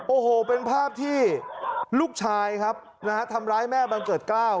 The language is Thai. โอ้โหเป็นภาพที่ลูกชายครับนะฮะทำร้ายแม่บังเกิดกล้าว